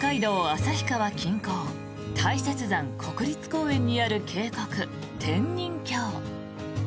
旭川近郊大雪山国立公園にある渓谷天人峡。